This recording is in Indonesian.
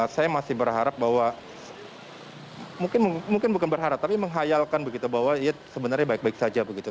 saya masih berharap bahwa mungkin bukan berharap tapi menghayalkan begitu bahwa ya sebenarnya baik baik saja begitu